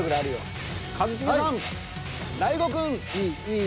いい。